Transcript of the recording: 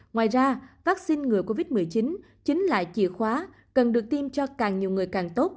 ngoài ra vắc xin người covid một mươi chín chính là chìa khóa cần được tiêm cho càng nhiều người càng tốt